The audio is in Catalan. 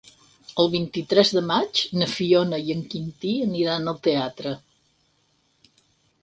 El vint-i-tres de maig na Fiona i en Quintí aniran al teatre.